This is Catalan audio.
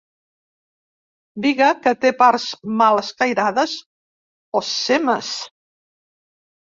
Biga que té parts mal escairades, o semes.